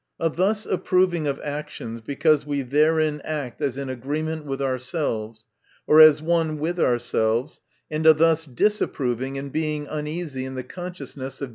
A thus approving of actions, because we therein act as in agreement with ourselves, or as one with ourselves— and a thus disapproving and being uneasy in the consciousness of.